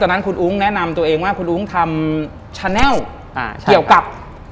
นั้นคุณอุ้งแนะนำตัวเองว่าคุณอุ้งทำชาแนลเกี่ยวกับ